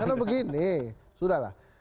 karena begini sudah lah